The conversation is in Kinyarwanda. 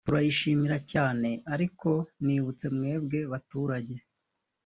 turayishimira cyane ariko nibutse mwebwe baturage